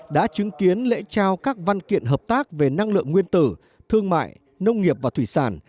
đã chứng kiến lễ trao các văn kiện hợp tác về năng lượng nguyên tử thương mại nông nghiệp và thủy sản